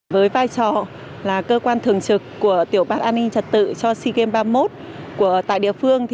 với vai trò là cơ quan thường trực của tiểu ban an ninh trật tự cho sea games ba mươi một tại địa phương